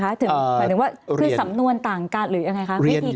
หมายถึงว่าคือสำนวนต่างกันหรือยังไงคะ